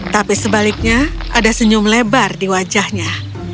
tapi sebaliknya ada senyum lebar di wajahnya